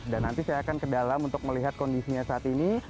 dan nanti saya akan ke dalam untuk melihat kondisinya saat ini